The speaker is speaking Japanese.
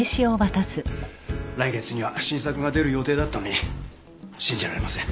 来月には新作が出る予定だったのに信じられません。